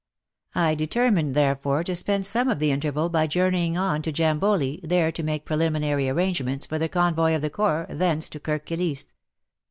I deter mined, therefore, to spend some of the interval by journeying on to Jamboli, there to make preliminary arrangements for the convoy of the Corps thence to Kirk Kilisse.